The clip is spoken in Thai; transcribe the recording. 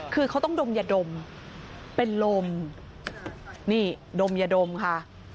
เขาต้องดมหยะดมเป็นลมนี่ดมหยะดมค่ะ